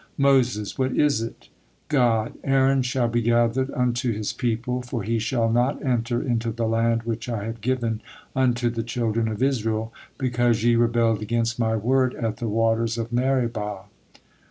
Moses: "What is it?" God: "Aaron shall be gathered unto his people; for he shall not enter into the land which I have given unto the children of Israel, because ye rebelled against My word at the waters of Meribah."